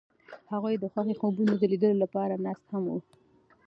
هغوی د خوښ خوبونو د لیدلو لپاره ناست هم وو.